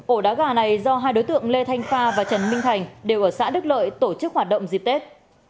ổ đá gà này do hai đối tượng lê thanh pha và trần minh thành đều ở xã đức lợi tổ chức hoạt động dịp tết